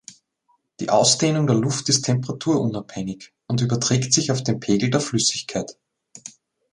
Die Ausdehnung der Luft ist temperaturabhängig und überträgt sich auf den Pegel der Flüssigkeit.